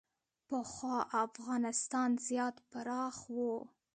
پخوا افغانستان زیات پراخ و